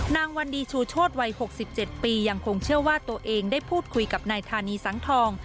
วันดีชูโชธวัย๖๗ปียังคงเชื่อว่าตัวเองได้พูดคุยกับนายธานีสังทอง